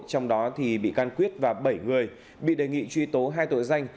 trong đó thì bị can quyết và bảy người bị đề nghị truy tố hai tội danh